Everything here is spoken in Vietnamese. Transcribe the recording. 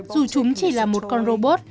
dù chúng chỉ là một con robot